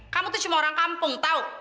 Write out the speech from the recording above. kamu tuh cuma orang kampung tahu